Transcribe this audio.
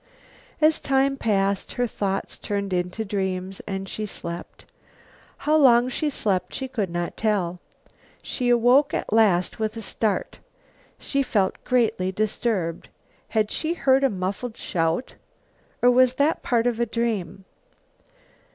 As time passed her thoughts turned into dreams and she slept. How long she slept she could not tell. She awoke at last with a start; she felt greatly disturbed. Had she heard a muffled shout? Or was that part of a dream?